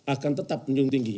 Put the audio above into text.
akan tetap menunjukkan